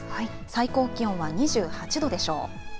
最高気温は２８度でしょう。